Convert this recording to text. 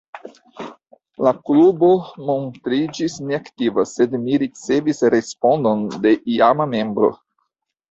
La klubo montriĝis neaktiva, sed mi ricevis respondon de iama membro.